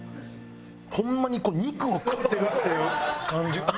ホンマにこう肉を食ってるっていう感じ。